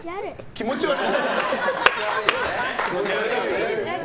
気持ち悪いよね。